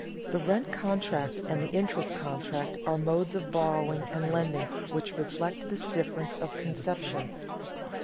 The rent contract and the interest contract are modes of borrowing and lending which reflect this difference of conception.